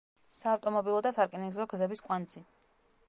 საავტომობილო და სარკინიგზო გზების კვანძი.